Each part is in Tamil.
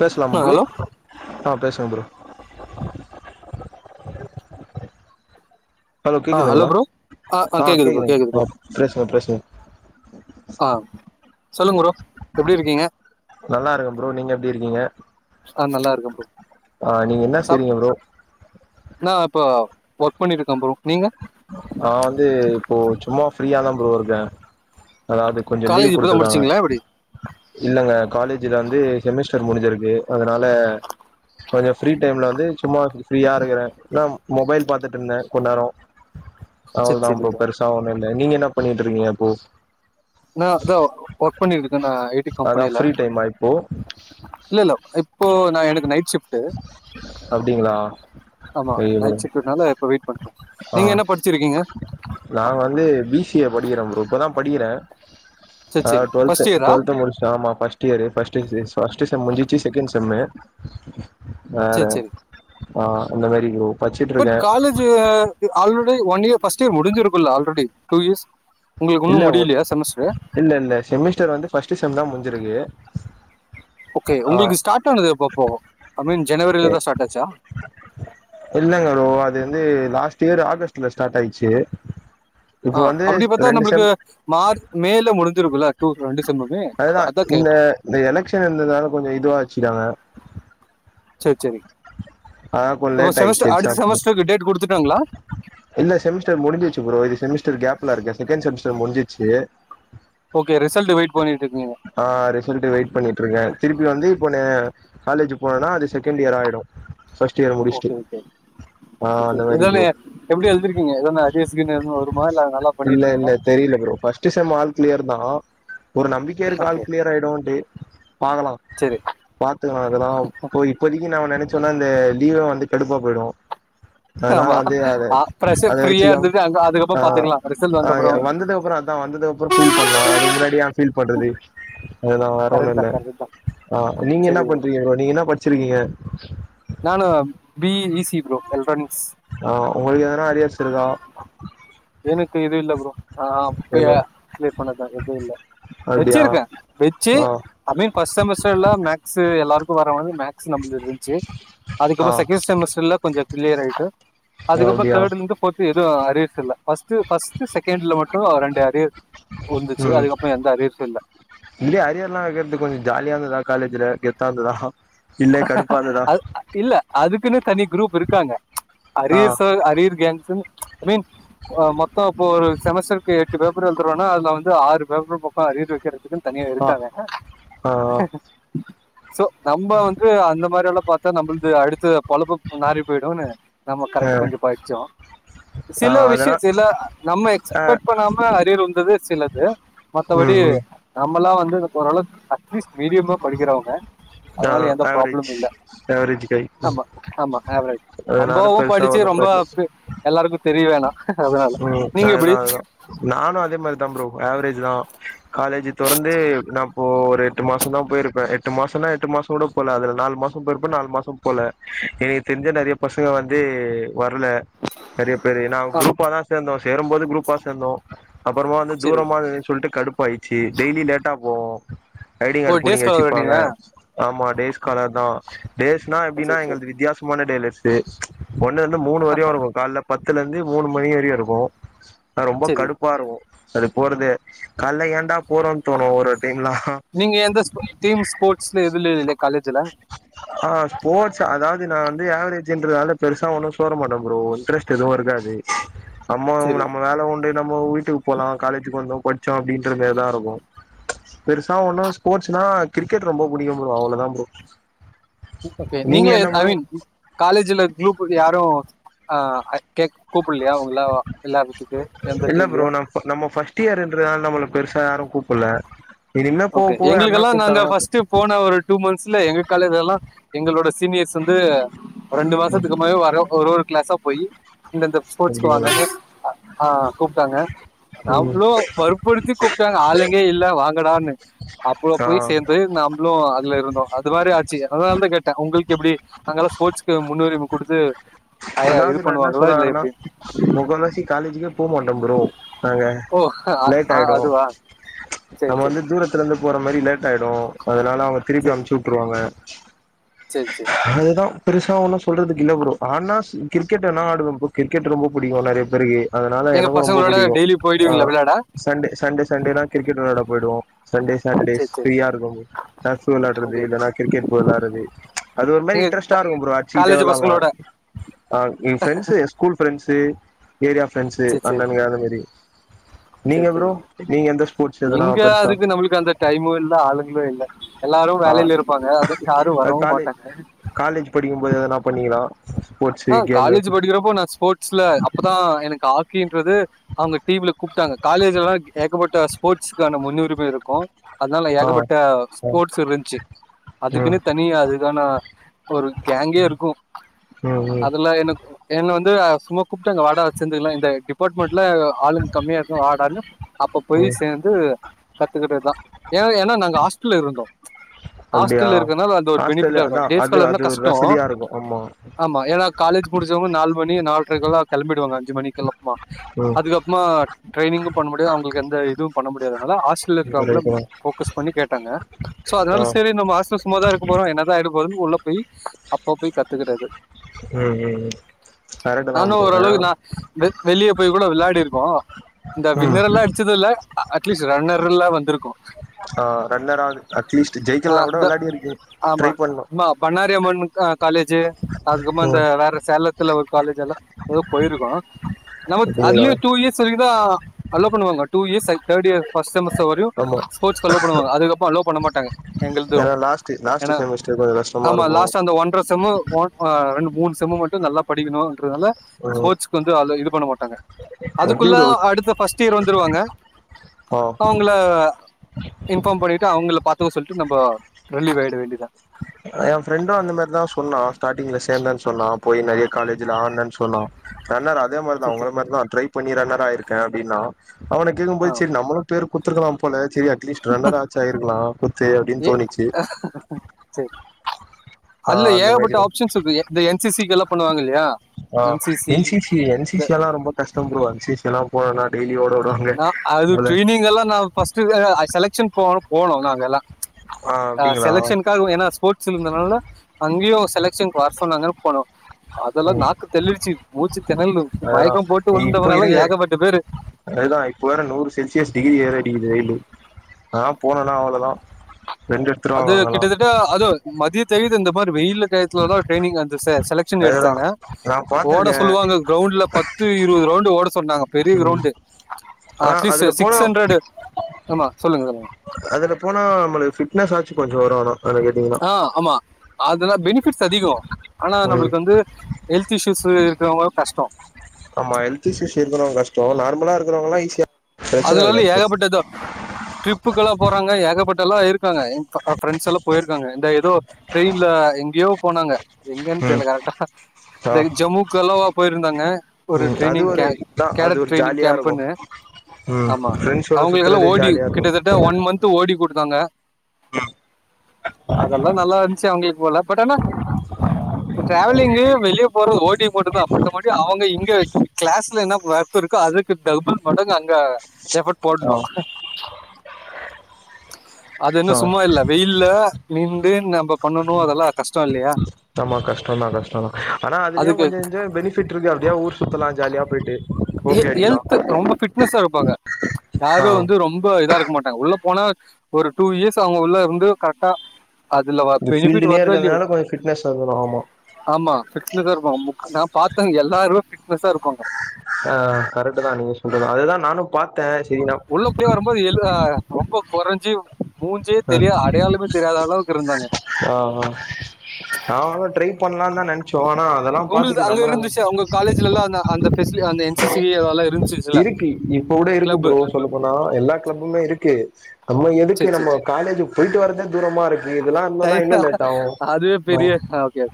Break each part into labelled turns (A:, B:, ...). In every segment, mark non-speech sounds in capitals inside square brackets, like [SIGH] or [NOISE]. A: பேசலாம்
B: ஆ
A: ப்ரூ
B: ஹலோ
A: ஆ பேசுங்க ப்ரோ ஹலோ
B: ஆ
A: கேக்குதுங்களா
B: ப்ரோ
A: ஆ
B: கேக்குது ப்ரோ
A: கேக்குதுங்க
B: கேக்குது ப்ரோ
A: அ பேசுங்க பேசுங்க
B: ஆ சொல்லுங்க ப்ரோ எப்டி இருக்கீங்க
A: நல்லாருக்கு ப்ரோ நீங்க எப்டி இருக்கீங்க
B: ஆ நல்லா இருக்கே ப்ரோ
A: ஆ நீங்க என்னா
B: சாப்
A: செய்றீங்க ப்ரோ
B: நா இப்ப ஒர்க் பண்ணிட்ருக்கே ப்ரோ நீங்க
A: நா வந்து இப்போ சும்மா ஃப்ரியாதா ப்ரோ இருக்கே அதாவது கொஞ்ச லீவ்
B: காலேஜ் இப்பதா
A: குடுத்துருக்காங்க
B: முடிச்சீங்களா எப்டி
A: இல்லங்க காலேஜ்ல வந்து செமிஸ்டர் முடிஞ்சிருக்கு அதனால கொஞ் ஃப்ரீ டைம்ல வந்து சும்மா ஃப்ரீயா இருக்கறே ஏன்னா மொபைல் பாத்துட்ருந்தே கொண் நேரோ
B: சரி
A: அவ்ளதா
B: சரி
A: ப்ரோ பெருசா ஒண்ணு இல்ல நீங்க என்னா பண்ணிட்ருக்கீங்க இப்போ
B: நா அதா ஒ ஒர்க் பண்ணிருக்குதா நா ஐ டி
A: அதான்
B: கம்பெனியில
A: ஃப்ரீ டைமா இப்போ
B: இல்ல இல்ல இப்போ நா எனக்கு நைட் ஷிஃப்ட்டு
A: அப்டிங்களா
B: ஆமா நைட் ஷிஃப்ட்டுனால இப்ப வெய்ட் பண்றோ
A: ஓ நா வந்து பி சி ஏ படிக்கிறம் ப்ரோ இப்போதா படிக்கிற
B: சரி
A: ஆ
B: சரி
A: டுவெல்த்து
B: ஃபர்ஸ்ட் இயரா
A: டுவெல்த்து முடிச்சிட்ட ஆமா ஃபஸ்ட்டியரு ஃபஸ்ட்டு எக்ஸு ஃபஸ்ட்டு செம் முஞ்சிச்சு செகண்ட் செம்மு வேற
B: சரி சரி
A: ஆ அந்த மாரி ப்ரோ
B: பட்
A: படிச்சுட்ருக்கே
B: college already one year first year முடிஞ்சிருக்குல்ல ஆல்ரெடி டூ இயர்ஸ் உங்களுக்கு
A: இல்ல
B: இன்னு முடியலையா செமஸ்டர்
A: இல்லல்ல செமிஸ்டர் வந்து ஃபஸ்ட் செம்தா முடிஞ்சிருக்கு
B: ஓகே உங்களுக்கு ஸ்டார்ட் ஆனது அப்பெப்போ ஐ மீன் ஜனவரில தான் ஸ்டார்ட் ஆச்சா?
A: இல்லைங் ப்ரோ அது வந்து லாஸ்ட் இயர் ஆகஸ்ட்ல ஸ்டாட் ஆயிச்சு
B: ஆ
A: இப்போ வந்து
B: அப்படி பாத்தா
A: ரெண்டு
B: நம்மளுக்கு
A: செம்
B: மார்ச் மேல முடிஞ்சிருக்குல்ல டூ ரெண்டு
A: அதுதா இந்த எலக்ஷன் இருந்ததுனால கொஞ்ச இதுவா வச்சிட்டாங்க
B: சரி, சரி.
A: அதால கொஞ்ச
B: இப்போ
A: லேட் ஆயிச்சு
B: செமஸ்டர் அடுத்த
A: எக்ஸாம்ஸு
B: செமஸ்டருக்கு டேட் குடுத்துட்டாங்களா?
A: இல்ல செமிஸ்டர் முடிஞ்சிச்சு ப்ரோ இது செமிஸ்டர் கேப்ல இருக்க செகண்ட் செமிஸ்டர் முடிஞ்சிச்சு
B: ஓகே ரிசல்ட் வெயிட் பண்ணிட்டு இருக்கீங்க.
A: ஆ ரிசல்ட்டுக் வெயிட் பண்ணிட்ருக்கே திருப்பி வந்து இப்போ ந காலேஜ் போனோனா அது செகண்ட் இயர் ஆயிடு ஃபஸ்ட் இயர் முடிச்ட்டு
B: இதலா நீங்க எப்படி எழுதிருக்கிங்க எதனா அரியர்ஸ் கிது எதுனா வருமா இல்ல நல்லா பண்ணிருக்கிங்ளா எப்படி
A: ஃபஸ்ட் செம் ஆல் கிளியர்தா ஒரு நம்பிக்கை இருக்கு
B: ஓகே.
A: ஆல் கிளியர் ஆயிடுவோன்ட்டு பாக்கலா
B: சரி.
A: பாத்து அதெல்லா போய் இப்போதைக்கு நாம நெனை சோனா இந்த லீவே வந்து கடுப்பா போயிடு அதனால
B: ஆமா.
A: வந்து அத
B: அ பிரஷர்
A: அத
B: ஃப்ரீயா
A: வெச்சுக்க
B: இருந்துட்டு அங்க
A: ஆ
B: அதுக்கப்புறம் பாத்துக்கலாம். ரிசல்ட்
A: ஆ
B: வந்த அப்புறம்
A: வந்ததுக்கப்புற அதா வந்ததுக்கப்புற ஃபீல் பண்லா அதுக் முன்னாடி ஏ ஃபீல் பண்றது அதுதா வேற ஒன்னு
B: கரெக்ட்
A: இல்ல
B: தான், கரெக்ட் தான்.
A: ஆ நீங்க என்ன பண்றிங்க ப்ரோ நீங்க என்ன படிச்சிருக்கிங்க
B: நானும் B E E C bro electronic
A: ஆ உங்களுக்கு எதனா அரியர்ஸ் இருக்கா
B: எனக்கு எது இல்ல ப்ரோ நா அப்பய
A: எது
B: க்ளியர் பண்ணதா எது இல்ல
A: அப்டியா
B: வெச்சிருக்கே வெச்சு
A: ஆ
B: ஐ மீன் ஃபஸ்ட் செமஸ்டர்ல மேக்ஸ் எல்லாருக்கு வராவது மேக்ஸ் நம்ளுது இருந்துச்சு
A: ஆ
B: அதுக்கப்பற செகண்ட் செமஸ்டர்ல கொஞ்ச கிளியர் ஆயிட்டு
A: ஓ
B: அதுக்கப்புற
A: அப்டியா
B: தேர்ட்ல இருந்து ஃபோர்த்து எது அரியர்ஸ் இல்ல ஃபஸ்ட் ஃபஸ்ட்டு செகண்ட்ல மட்டு ரெண்டு அரியர் வந்துச்சு.
A: ம்
B: அதுக்கப்புறம் எந்த அரியர்ஸும் இல்ல.
A: இங்யு அரியர்லா வெக்கிறது கொஞ்ச ஜாலியா இருந்ததா காலேஜ்ல கெத்தாருந்துதா
B: அ இல்ல அதுக்குன்னு தனி குரூப் இருக்காங்க
A: ஆ
B: அரியர்ஸு அரியர் கேங்சுன் ஐ மீன் மொத்த இப்ப ஒரு செமஸ்டருக்கு எட்டு பேப்பர் எழுதுறோனா அதுல வந்து ஆறு பேப்பர் பக்க அரியர் வெக்கிறதுக்குன் தனியா
A: ஆ
B: இருக்காங்க
A: ஆ
B: சோ நம்ப வந் இந்த மாரி எல்லா பாத்தா நம்மளது அடுத்து பொழப்பு நாறி போயிடுன்னு நம்ம
A: ஆ
B: கரெக்டா கொஞ்ச படிச்சோ
A: ஆ
B: சில விஷய
A: அதெல்லா
B: சில நம்ம
A: ஆ
B: எக்ஸ்பெக்ட் பண்ணாம அரியர் வந்தது சிலது மத்தபடி
A: ம்
B: இது
A: ம்
B: நம்மலா வந்து ஓரளவுக்கு அட்லீஸ்ட் மீடியமா படிக்கிறவங்க
A: ஆ
B: அதனால எந்த
A: ஆவரேஜ்
B: ப்ராப்ளம் இல்ல
A: ஆவரேஜ் கை
B: ஆமா ஆமா ஆவரேஜ்
A: அதனால
B: ரொம்பாவு
A: பெருசா
B: படிச்சு
A: ஒன்னு
B: ரொம்ப
A: ப்ராப்ளம்
B: எல்லாருக்கு தெரிய வேணா அதனால
A: ம்
B: நீங்க எப்டி
A: அதுதா அதா நானு அதே மாரிதா ப்ரோ ஆவரேஜ்தா காலேஜ் தொறந்து நா இப்ப ஒரு எட்டு மாசந்தா போயிருப்பே எட்டு மாசன்னா எட்டு மாசங் கூட போல அதுல நாலு மாச போயிருப்பே நாலு மாசம் போல எனக்கு தெரிஞ்ச நெறைய பசங்க வந்து வரல நெறய பேரு நா
B: ஆ
A: குரூப்பாதா சேந்தோ சேரும்போது குரூப்பா சேந்தோ அப்பறமா வந்து
B: செரி
A: தூரமா இருக்து சொல்லிட்டு கடுப்பாயிச்சு டெய்லி லேட்டா போவோ ஐடிங்
B: ஓ
A: கார்டு
B: டேஸ்
A: புடிங்கி
B: காலரா
A: வச்சுப்பாங்க
B: நீங்க
A: ஆமா டேஸ் காலர் தா டேஸ்னா எப்டின்னா
B: செரி செரி
A: எங்களுக்கு வித்தியாசமான டேலர்ஸு ஒன்னு லந்து மூணு வரையு கால்ல பத்துலந்து மூணு மணி வரியு இருக்கு ரொம்ப
B: செரி
A: கடுப்பா இருக்கு அது போறதே கால்ல ஏண்டா போறோன்னு தோணு ஒரு ஒரு டைம்லா
B: நீங்க எந்த டீம் ஸ்போர்ட்ஸ்ல எதுல இல்ல காலேஜ்ல
A: ஆஹ் ஸ்போர்ட்ஸ் அதாவது நா வந்து ஆவ்ரேஜ் ரால பெருசா ஒன்னும் சோற மாட்ட ப்ரோ இன்ட்ரெஸ்ட் எதுவு இருக்காது நம்ம
B: செரி
A: நம்ம வேலை உண்டு நம்ம வீட்டுக்கு போலா காலேஜுக்கு வந்தோ படிச்சோ அப்டின்ற மேரிதா இருக்கு பெருசா ஒண்ணு ஸ்போர்ட்ஸ்ன்னா கிரிக்கெட் ரொம்ப புடிக்கு ப்ரோ அவ்ளோதா ப்ரோ
B: ஓகே
A: நீங்க
B: நீங்கலூ
A: என்ன ப்ரோ
B: ஐமீன் காலேஜ்ல குரூப் யாரு அஹ் கேக் எந்த
A: இல்ல ப்ரோ
B: டீம்லயு
A: நம் நம்ம ஃபர்ஸ்ட் இயருன்றதனால நம்மள பெருசு யாரூ கூப்பல்ல இனிமே போக
B: ஓகே
A: போக யாருன்னா
B: எங்களுக்கெல்லா நாங்க
A: கூப்ட்டாங்கன்னா
B: ஃபர்ஸ்ட் போன ஒரு டூ மந்த்ஸ்ல எங்க காலேஜல்லா எங்களோட சீனியர்ஸ் வந்து ரெண்டு
A: ம்
B: மாசத்துக்கு மு [UNINTELLIGIBLE] வர [UNINTELLIGIBLE] க்ளாஸா போயி இந்தந்த ஸ்போர்ட்ஸ்க்கு வாங்க
A: அப்டிங்களா
B: ஆஹ் கூப்ட்டாங்க அதா
A: ம்
B: ப்ரோ வற்ப்புறுத்தி கூப்ட்டாங்க ஆளுங்கே இல்ல வாங்கடான்னு அப்புறோ போய்
A: ஆ
B: சேந்து நம்ப்ளோ அதுல இருந் அது மாரி ஆச்சி அதனால தா கேட்டே அவுங்ளுக்கெப்பிடி அங்கெல்லா ஸ்போட்ஸ்க்கு முன்னுரிம குடுத்து
A: அதாவது நா என்னா சொல்ல வரனா முக்கால் வாசி காலேஜுக்கே போ மாட்டோ ப்ரோ நாங்க
B: ஓ அ ஆ
A: லேட்
B: ஆ
A: ஆயிடு
B: அதுவா
A: நம்ம
B: சேரி
A: வந்து
B: சேரி
A: தூரத்துலர்ந்து போற மாரி லேட்டாய்டு அதனால அவுங்க திருப்பி
B: சேரி
A: அம்ச்சூட்ருவாங்க
B: சேரி சேரி
A: அதுதா பெருசா ஒன்னு சொல்றதுக் இல்ல ப்ரோ ஆனா சில கிரிக்கெட் வேனா ஆடுவே ப்ரோ கிரிக்கெட்டு ரொம்ப புடிக்கு நெறைய பேருக்கு அதனால
B: எங்க
A: எனக்கு ரொம்ப
B: பசங்களோட
A: புடிக்கும்
B: டெய்லி
A: ஆ
B: போயிடுவீங்களா விளாட
A: சண்டே சண்டே சண்டேல்லாம் கிரிக்கெட் விளயாட போயிடுவோம் சண்டே சாட்டர்டேஸ்
B: சேரி சேரி
A: ஃப்ரீயா இருக்கும்போது டுறது
B: ஓகே
A: இல்லன்னா கிரிக்கெட் போய் வெளாடுறது அது ஒரு மாரி
B: நீங்க
A: இன்ட்ரஸ்டா
B: க
A: இருக்கும் புரோ அடுச்சிக்ட்டே
B: காலேஜ்
A: விளயாடலா
B: பசங்களோட
A: அ என் ஃப்ரெண்ட்ஸ் எ ஸ்கூல் ஃப்ரெண்ட்ஸ் து ஏரியா ஃப்ரண்ட்ஸ் அண்ணனுங்க அந்த மாரி நீங்க
B: செர்
A: ப்ரோ
B: செரிங்கமா
A: நீங்க எந்த ஸ்போர்ட்ஸ் எதனா
B: இங்க
A: பெருசா
B: அதுக்கு நம்மளுக்கு அந்த டைமு இல்ல ஆளுங்களு இல்ல எல்லாரு
A: ஆ
B: வேலைல இருப்பாங்க அத யாரும் வரவும்
A: காலே
B: மாட்டாங்க
A: காலேஜ் படிக்கும்போது எதனா பண்ணீங்களா ஸ்போர்ட்ஸு
B: ஆ
A: கேமு
B: காலேஜ் படிக்கிறப்போ நா ஸ்போர்ட்ஸல அப்பதா எனக் ஹாக்கிம் ட்றது அவங்க டீம்ல கூப்ட்டாங்க காலேஜெல்லா ஏகப்பட்ட ஸ்போர்ட்ஸ் கான முன்னுரிமை இருக்கு அதனால
A: ஆ
B: ஏகப்பட்ட
A: ஆ
B: ஸ்போர்ட்ஸ் இருந்துச்சு
A: ம்
B: அதுக்குன்னே தனியா அதுக்கான ஒரு கேங்கே இருக்கும்
A: ம் ம்
B: அதுலா எனக் என்ன வந்து சும்மா கூப்ட்டாங்க வாடக வச்சிருந்துக்கலா இந்த டிபார்ட்மெண்ட்ல ஆளுங்க கம்மியா இருக்குன் வாடான்னு அப்ப போய்
A: ம்
B: சேர்ந்து கத்துக்கிட்டதுதா ஏ ஏன்னா நாங்க ஹாஸ்டல்ல இருந்தோ
A: அப்டியா
B: ஹாஸ்டல்ல இருக்கனால அந்த ஒரு
A: ஹாஸ்டல்ல
B: பெனிபிட்டா
A: அதா
B: இருக்கு
A: அது
B: டேஸ்காலர்னா
A: அது ஒரு
B: கஷ்டோ
A: வசதியா இருக்கு ஆமா
B: மா ஏன்னா காலேஜ் முடிச்சவங்க நாலு மணி நால்ரைகெல்லா கெளம்பிடுவாங்க அஞ்சு மணிக்கெல்லா மா
A: ம்
B: அதுக்கப்புமா ட்ரைனிங்கும் பண்ண முடியாது அவங்களுக்கு எந்த இதுவும் பண்ண முடியாது அனால ஹாஸ்டல்ல இருக்றவங்கள
A: ரைட்டு தா
B: போகஸ் பண்ணி கேட்டாங்க சோ அதனால
A: ஆ
B: சரி நம்ம ஹாஸ்டல்ஸ் சும்மாதா இருக்க போறோம் என்னதா ஆய்டு பதும் உள்ள போய் அப்ப போய் கத்துக்குறது
A: ம் ம் ம் கரெக்ட்டு தா
B: நானு
A: ப்ரோ ஏனா
B: ஓரளவுக்கு நா வெ வெளியே போய் கூட விளையாடிருக் போ இந்த
A: ம்
B: வின்னர் எல்லா அடிச்சது இல்ல அட்லீஸ்ட் ரன்னர் எல்லா வந்திருக்கும்
A: அ ரன்னராது அட்லீஸ்ட்டு
B: ஆ
A: ஜெயிக்கல்னா கூட
B: இந்த
A: வெளாடி இருக்கே ட்ரை பண்ணு
B: அ காலேஜி அதுக்கம்மோ இந்த
A: ம்
B: வேற சேலத்துல ஒரு காலேஜ் எல்லா ஏதோ போயிருக்கோ நமத்
A: அப்டிங்களா
B: அதுலயே டூ இயர்ஸ் வரைக்குதா அலோ பண்ணுவாங்க two years third year first semester வரையு
A: ஆமா
B: ஸ்போட்ஸ்கு அலோ பண்ணுவாங்க அதுகப்போ அலோ பண்ண மாட்டாங்க எங்கிள்திலு
A: ஏன்னா லாஸ்ட் லாஸ்ட்
B: ஏனா
A: செமிஸ்டர் கொஞ்சோ கஷ்டமா
B: ஆமா
A: இருக்கு
B: லாஸ்டா அந்த ஒன்ற செம்மு ஒன் ஆ ரெண்டு மூணு செம்மு மட்டு நல்லா படிக்கணு என்றனால
A: ம்
B: ஸ்போர்ட்ஸுக் வந்து அவ்ளோவா இது பண்ணமாட் தாங்க
A: எப்டி
B: அதுக்குள்ள
A: ப்ரோ
B: அடுத்த பஸ்ட் இயர் வந்துருவாங்க
A: ஆ
B: அவுங்கள இன்ஃபார்ம் பண்ணிட்டு அவுங்கள பாத்துக்க சொல்ட்டு நம்போ ரிலீவ் ஆயிட வேண்டியதா
A: எ ஃப்ரெண்டு அந்த மாரிதா சொன்னா ஸ்டாடிங்ல சேந்தன் சொன்னா போயி நெறிய காலேஜில ஆட்ன்ன் சொன்னா ரன்னர் அதே மாரி தா
B: சரி
A: உங்கள
B: சரி
A: மாரிதா ட்ரை பண்ணி ரன்னராயிருக்க அப்டீனா அவன கேக்கும்
B: ஆ
A: போது செரி நம்மளு பேரு குத்துருக்கலாம் போல செரி அட்லீஸ்ட் ரன்னர் ஆச்சு ஆயிருக்கலா குத்து அப்டின்னு தோணிச்சு
B: செரி
A: ஆ
B: அத்ல
A: அந்த
B: ஏகப்பட்ட
A: மாரிதா
B: ஆப்ஷன்ஸ் இருக்கு எ இந்த என் சி சிக்கெல்லா பண்ணுவாங்க இல்லையா
A: ஆ
B: NCC
A: N C C N C
B: இந்த
A: சி எல்லா ரொம்ப கஷ்டம் ப்ரோ என் சி சி எல்லா போனேன்னா
B: நா அது ட்ரெய்னிங் எல்லா நா பஸ்ட்டு அ அ செலெக்ஷன் போ போனோ நாங்கெல்லா ஆ செலக்ஷனுக்காக ஏன்னா ஸ்போர்ட்ஸ் இருந்தனால அங்கியு செலக்ஷன்க் வர் சொன்னாங்கனு போனோ அதெல்லா
A: ம்
B: நாக்கு தள்ளிடுச்சு மூச்சுத் தெணறலு
A: அதுதா
B: மயக்கம் போட்டு
A: இப்போ
B: விழுந்தவங்க எல்லா
A: இருக்கிற
B: ஏகப்பட்ட பேரு
A: அதுதா இப்போ வேற நூறு செல்சியஸ் டிகிரி ஏறடிக்குது வெயிலு அதா போனேன்னா அவ்ளோதா ரெண்டு எடுத்துருவா
B: அது
A: வாங்கலா
B: கிட்டத்தட்ட அது மதியத்தையது இந்த மாறி வெயில்ல டேத்லதா ட்ரைனிங் வந்து செலக்க்ஷன்
A: அதுதா
B: எடுத்தாங்க
A: நா
B: ஓட
A: பாத்திருக்கே
B: சொல்லுவாங்க கிரௌண்ட்ல பத்து இருவது ரௌண்டு ஓட சொன்னாங்க பெரிய
A: ம்
B: கிரௌண்டு
A: ஆனா
B: அட்லீஸு
A: அதுல போனா
B: சிக்ஸ் ஹண்ரடு
A: அதுல போனா நம்மளு ஃபிட்னஸ்சாச்சு கொஞ்ச வரு ஆனா அதுல கேட்டீங்கன்னா
B: ஆஹ் ஆமா அதல்லா பெனிஃபிட்ஸ் அதிகோ ஆனா
A: ம்
B: நம்மளுக்கு வந்து ஹெல்த் இஷ்யூஸ் இருக்கறவங்க கஷ்டோ
A: ஆமா ஹெல்த் இஷ்யூஸ் இருக்கறவங்க கஷ்டோ நார்மலா இருக்கறவங்கெல்லா ஈஸியா பிரச்சன
B: அதுலஅதுல
A: இருக்காது
B: ஏகபட்டதொ கிப் ப்புகெல்லா போறாங்க ஏகப்பட்ட எல்லா இருக்காங்க ஃப்ரண்ட்ஸ் எல்லா போயிருக்காங்க இந்த ஏதோ டிரெயின்ல எங்யோ தொ போனாங்க எங்கன்னு
A: ம்
B: தெரில கரெக்டா
A: ஆ
B: இந்த ஜம்முக்கலவா போயிருந்தாங்க ஒரு
A: ம் அது
B: ட்ரைனிங்
A: ஒரு
B: கே
A: இதா அது
B: கேடக்
A: ஒரு
B: ட்ரைனிங்
A: ஜாலியா இருக்கு
B: கேம்புன்னு
A: ம்
B: ஆமா
A: ஃப்ரெண்ட்ஸோட
B: அவுங்க இதெல்லா
A: சுத்துறது
B: ஓடி
A: ஜாலியா இருக்கு
B: கிட்டதட்ட ஒன் மந்த் ஓடி கொடுத்தாங்க அதல்லா நல்லா இருன்சு அவுங்ளுக்கு போல பட் ஆனா டிராவலிங்கு வெளிய போறது ஓட்டிங் மட்டுதா மத்தபடி அ இங்க இங்க க்ளாஸ்ல என்ன வொர்க் இருக்கோ அதுக்கு டபுள் மடங்கு அங்க எஃபர்ட் போட்ணு
A: ஆ
B: அது இன்னு
A: ஆ
B: சும்மா இல்ல வெயில்ல நிண்டு நம்ம பண்ணனு அதெல்லா கஷ்டோ இல்லையா
A: ஆமா கஷ்டோதா கஷ்டோதா ஆனா அதுலயு
B: அதுக்கு
A: கொஞ்சஞ்சோ பெனிஃபிட் இருக்கு அப்டே ஊர் சுத்தலா ஜாலியா போயிட்டு ஓகே அடிக்கலா
B: ஹெல்த் ரொம்ப ஃபிட்னஸ்சா இருப்பாங்க
A: ஆ
B: யாரு வந்து ரொம்ப இதாருக்க மாட்டாங்க உள்ள போனா ஒரு டூ இயர்ஸ் அவுங்க உள்ள இருந்து கரட்டா அதுல வ
A: இந்த
B: பெனிஃபிட்
A: ஃபீல்டுலயே
B: வர்தோ இல்லயோ
A: இருக்கறதுனால கொஞ்ச ஃபிட்னஸ் வந்துரு ஆமா
B: ஆமா ஃபிட்னஸா இருக்கு நா பாத்த எல்லாரு ஃபிட்னஸா இருப்பாங்க
A: அஹ் கரெக்ட்டு தா நீங்க சொல்றது அதுக்குதா நானு பா
B: உள்ள போய் வருபோது எழு ரொம்ப கொறஞ்சி மூஞ்சே தெரி அடையாளமே தெரியாத அளவுக்கு இருந்தாங்க
A: நா ட்ரை பண்ணலா தா நென்ச்சோ ஆனா அதெல்லா
B: உங்களுக்கு
A: பாத்துட்டு நம்பளால்ல
B: வெசிலி அந்த என்சிசி அதெல்லா இருந்
A: இருக்கு இப்ப கூட இருக்கு ப்ரோ சொல்ல போனா எல்லா கிளப்புமே இருக்கு நம்ம எதுக்கு
B: சரி
A: நம்ம
B: சரி
A: காலேஜ் போயிட்டு வரதே தூரமா இருக்கு இதெல்லா இந்தன்னா இன்னு
B: தனி-
A: லேட் ஆவு
B: அதுவே பெரிய ஓகே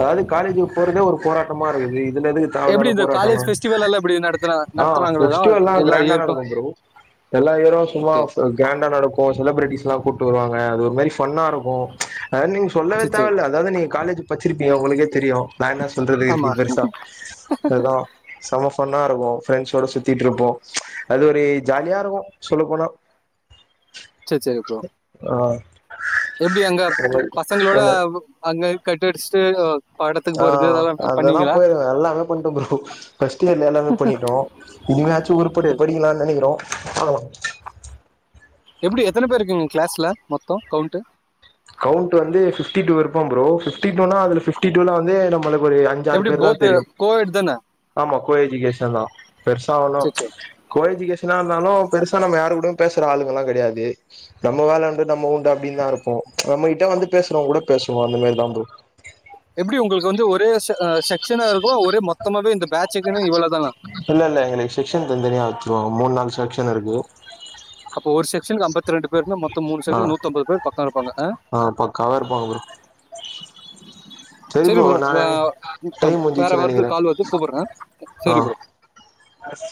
A: அதாது காலேஜுக்கு போறதே ஒரு போராட்டமா இருக்குது இதுல எதுக்கு
B: எப்படி
A: தேவயில்லாத
B: இந்த
A: போராட்டெல்லா
B: காலேஜ் ஃபெஸ்டிவல் எல்லாம் இப்படி நடத்துனா
A: ஆஹ்
B: நடத்துறாங்களா
A: வெஸ்டிவல்லா
B: எல்லா
A: கிராண்டா
B: இயற்கும்
A: நடக்கு ப்ரோ எல்லா ஈரோ சும்மா
B: ஓகே
A: கிராண்டா நடக்கு சில செலப்ரடிஸ் எல்லா கூட்டு வருவாங்க அது ஒரு மாறி ஃபன்னா இருக்கு அத நீங்க சொல்லவே
B: சரி சரி
A: தேவல்ல அதாவது நீங்க காலேஜ் படிச்சிருப்பீங்கோ உங்களுக்கே தெரியு நா என்ன சொல்றது
B: ஆமா
A: இது பெருசா அதா செமஃபன்னா இருக்கு ஃபிரண்ஸ்ஸோட சுத்திட்டு இருப்போ அது ஒரு ஜாலியா இருக்கு சொல்ல போனா ஆ
B: எப்டி அங்க பசங்களோட
A: அந்த
B: அங்க கட் அடிஸ்டு
A: ஆ அதெல்லா போயிருவே எல்லாமே பண்ட்டோ ப்ரோ ஃபஸ்டியர்ல எல்லாமே பண்ணிட்டோ இனி யாச்சு
B: சரி
A: உருப்பட்டு படிக்கலானு நெனக்கிறோ பாக்கலா
B: எப்டி எத்தனை பேர் இருக்கீங்க கிளாஸ்ல மொத்தோ கவுண்ட்டு
A: கவுண்ட் வந்து ஃபிஃப்டி டூ இருப்போ ப்ரோ ஃபிஃப்டி இன்னோனா அதுல ஃபிஃப்டி டூல வந்து நம்மளுக்கொரு ஐஞ்சாறு
B: எப்படி
A: பேர்தா
B: போத்
A: தெரியு
B: கோஎட் தானே
A: ஆமா கோ எஜூகேஷன்தா பெர்சாவலு
B: சரி சரி
A: கோ எஜூகேஷ் ன்னா இருந்தாலு பெருசா நம்மயாரு கூடவு பேசுற ஆளுங்கெல்லா கெடையாது நம்ம வேலவுண்டு நம்ம உண்டு அப்டின்னுதா இருப்போ நம்மகிட்ட வந்து பேஸ்ரவுங்க கூட பேசுவோ அந்த மாரிதா ப்ரோ
B: பேஸ் அ செக்க்ஷனா இருக்கு ஒரே மொத்தமாவே இந்த பேட்சுக்குனு இவ்வளோ
A: இல்ல இல்ல எங்களுக்கு செக்க்ஷன் தனி தனியா வச்சருவாங்க மூணு நாலு செக்க்ஷன் இருக்கு
B: அப்போ ஒரு செக்க்ஷன்க்கு அம்பத் து இரண்டு பேருனா மொத்தம் மூணு
A: ஆ
B: சர் நூத்தம்பது பேர் பக்க இருப்பாங்க அ
A: ஆ பக்காவா இருப்பாங்க ப்ரோ சரி
B: செரி ப்ரோ வ
A: நானு டைம்
B: வேற
A: முடிஞ்சிச்சு
B: ஒர்க்கு
A: நெனைக்கிறே
B: கால் வருது கூப்பிடுறே செரி ப்ரோ
A: அஸ்